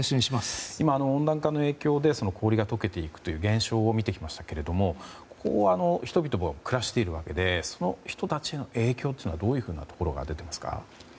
今、温暖化の影響で氷が解けていくという現象を見てきましたけれどもここは人々が暮らしているわけでその人たちへの影響はどういうふうなところが出ていますが。